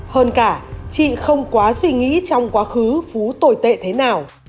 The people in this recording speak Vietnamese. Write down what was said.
hơn cả chị không quá suy nghĩ trong quá khứ phú tồi tệ thế nào